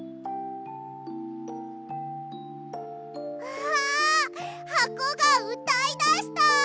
うわはこがうたいだした！